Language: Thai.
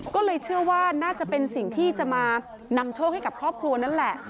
ก็เลยเชื่อว่าน่าจะเป็นสิ่งที่จะมานำโชคให้กับครอบครัวนั่นแหละ